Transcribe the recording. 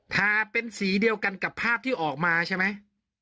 ทาเป็นสีเดียวกันกับภาพที่ออกมาใช่ไหม